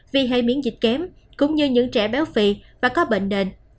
vì hay miễn dịch kém cũng như những trẻ béo phì và có bệnh nền